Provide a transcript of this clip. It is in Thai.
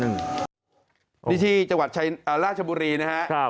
นี่ที่จังหวัดราชบุรีนะครับ